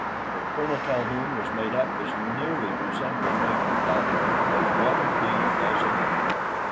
For Colonel Calhoun was made up as nearly resembling Major Talbot as one pea does another.